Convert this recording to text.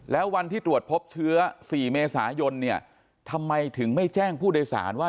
แล้ววันที่ตรวจพบเชื้อ๔เมษายนเนี่ยทำไมถึงไม่แจ้งผู้โดยสารว่า